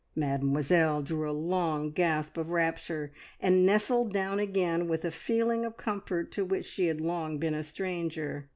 Mademoiselle drew a long gasp of rapture, and nestled down again with a feeling of comfort to which she had long been a stranger.